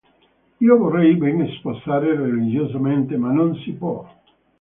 Io vorrei ben sposare religiosamente, ma non si può.